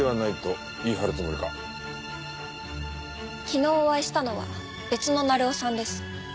昨日お会いしたのは別の鳴尾さんです。